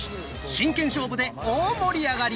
真剣勝負で大盛り上がり！